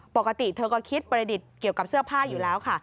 ปกติเธอก็คิดประดิษฐ์เกี่ยวกับเสื้อผ้าอยู่แล้วค่ะ